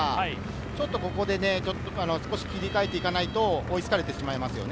ちょっとここで少し切り替えていかないと追いつかれてしまいますよね。